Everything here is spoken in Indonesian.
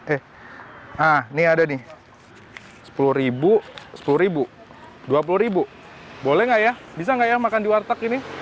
eh nah ini ada nih sepuluh ribu sepuluh ribu dua puluh ribu boleh nggak ya bisa nggak ya makan di warteg ini